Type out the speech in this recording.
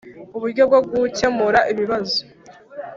Uburyo Bwo Gukemura Ibibazo